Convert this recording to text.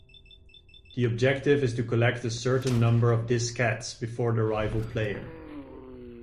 The objective is to collect a certain number of diskettes before the rival player.